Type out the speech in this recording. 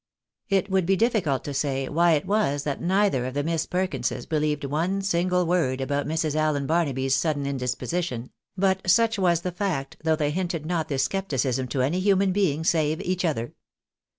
It would be difficult to say why it was that neither of the Miss Perkinses believed one single word about Mrs. Allen Barnaby's sudden indisposition ; but such was the fact, though they hinted not this scepticism to any human being, save each other.